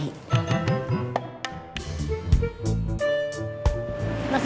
nasi kuningnya satu lagi